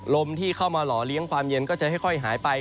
ลมที่เข้ามาหล่อเลี้ยงความเย็นก็จะค่อยหายไป